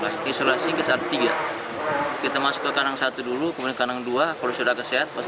lahir isolasi kita tiga kita masuk ke kanang satu dulu kemudian kanang dua kalau sudah kesehatkan